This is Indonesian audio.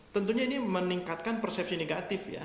tentunya ini meningkatkan persepsi negatif ya